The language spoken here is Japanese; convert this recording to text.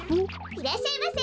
いらっしゃいませ。